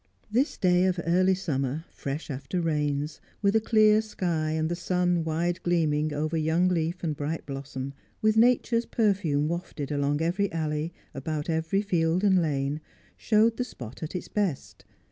This day of early summer, fresh after rains, with a clear sky and the sun wide gleaming over young leaf and bright blossom, with Nature's perfume wafted along every alley, about every field and lane, showed the spot at its best.